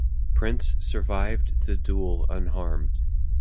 Prince survived the duel unharmed.